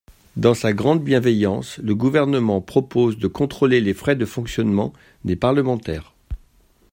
Dans sa grande bienveillance, le Gouvernement propose de contrôler les frais de fonctionnement des parlementaires.